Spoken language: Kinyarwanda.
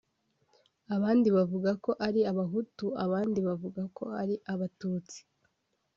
abandi bavuga ko ari Abahutu abandi bavuga ko ari Abatutsi